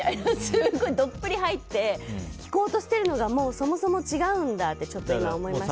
すごいどっぷり入って聞こうとしているのがもう、そもそも違うんだってちょっと思いました。